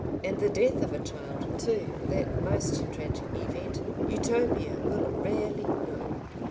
And the death of a child, too, that most tragic event, Utopia will rarely know.